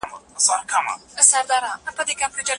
په سوسیالیزم کي خلګ د کار انګېزه له لاسه ورکوي.